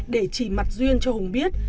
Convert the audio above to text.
để chỉ mặt duyên cho hùng biết